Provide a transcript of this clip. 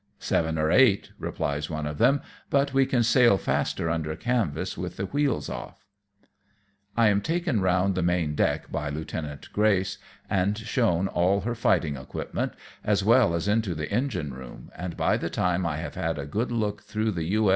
" "Seven or eight," replies one of them, " but we can sail faster under canvas with the wheels off." JAPAN OPENED AT LAST. 283 I am taken round the main deck by Lieutenant Grace, and shown all her fighting equipment, as well as into the engine room, and by the time I have had a good look through the U.